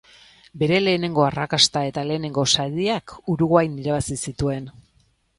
Bere lehenengo arrakasta eta lehenengo sariak Uruguain irabazi zituen.